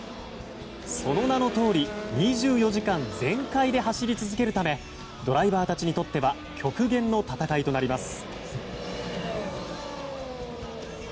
その名のとおり２４時間全開で走り続けるためドライバーたちにとっては極限の戦いとなります。